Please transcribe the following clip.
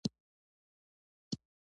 په جومات کې اذان اورېدل زړه نرموي.